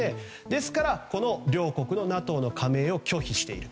ですから、この両国のＮＡＴＯ加盟を拒否している。